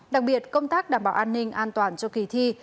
đặc biệt công tác đảm bảo an ninh an toàn cho kỳ thi